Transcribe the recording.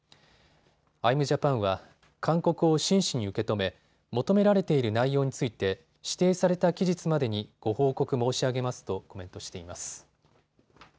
アイム・ジャパンは、勧告を真摯に受け止め求められている内容について指定された期日までにご報告申し上げますとコメントしています。